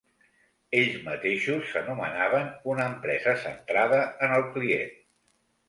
Ells mateixos s'anomenaven una empresa centrada en el client.